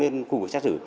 đến khu vực xét xử